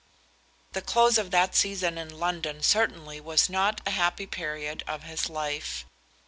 The close of that season in London certainly was not a happy period of his life.